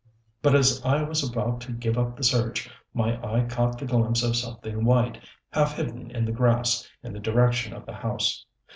But as I was about to give up the search my eye caught the glimpse of something white, half hidden in the grass in the direction of the house.